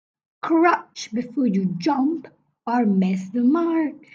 Crouch before you jump or miss the mark.